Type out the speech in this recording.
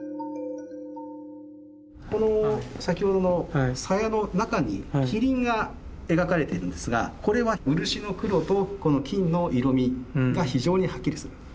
この先ほどの鞘の中に麒麟が描かれているんですがこれは漆の黒とこの金の色みが非常にはっきりする。